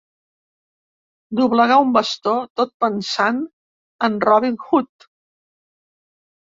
Doblegar un bastó tot pensant en Robin Hood.